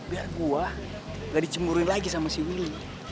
biar gua ga dicemburuin lagi sama si willy